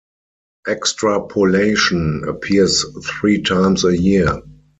"Extrapolation" appears three times a year.